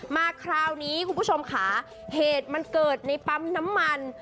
มาคราวนี้คุณผู้ชมค่ะเหตุมันเกิดในปั๊มน้ำมัน